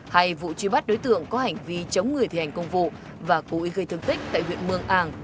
hay vụ truy bắt đối tượng có hành vi chống người thi hành công vụ và cố ý gây thương tích tại huyện mường ảng